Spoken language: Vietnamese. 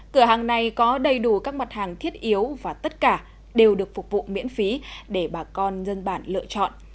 cửa hàng này có đầy đủ các mặt hàng thiết yếu và tất cả đều được phục vụ miễn phí để bà con dân bản lựa chọn